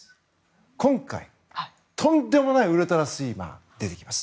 今回、とんでもないウルトラスイマー出てきます。